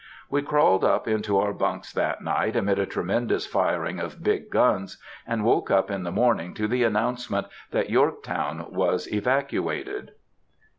We crawled up into our bunks that night amid a tremendous firing of big guns, and woke up in the morning to the announcement that Yorktown was evacuated.